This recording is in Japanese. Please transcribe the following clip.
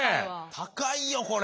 高いよこれ。